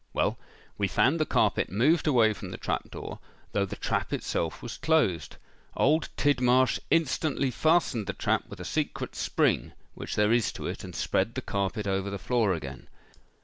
Well, we found the carpet moved away from the trap door, though the trap itself was closed. Old Tidmarsh instantly fastened the trap with a secret spring which there is to it, and spread the carpet over the floor again.